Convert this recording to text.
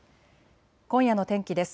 今夜の天気です。